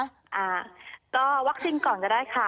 อ่าก็วัคซีนก่อนก็ได้ค่ะ